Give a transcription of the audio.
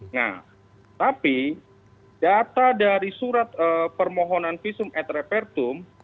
nah tapi data dari surat permohonan visum et repertum